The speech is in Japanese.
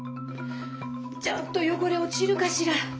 ちゃんとよごれおちるかしら。